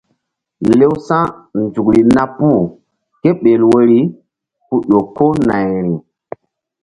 Lewsa̧nzukri na puh kéɓel woyri ku ƴo ko nayri.